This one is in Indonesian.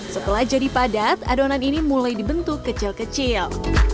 setelah jadi padat adonan ini mulai dibentuk kecil kecil